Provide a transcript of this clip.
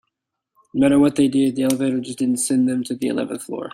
No matter what they did, the elevator just didn't send them to the eleventh floor.